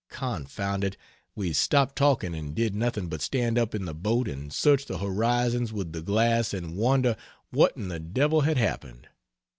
Confound it, we stopped talking and did nothing but stand up in the boat and search the horizons with the glass and wonder what in the devil had happened.